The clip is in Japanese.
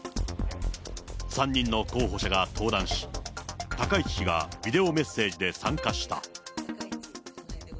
３人の候補者が登壇し、高市氏がビデオメッセージで参加した。